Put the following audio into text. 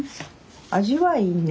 味はいいね。